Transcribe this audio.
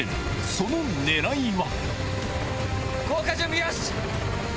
その狙いは？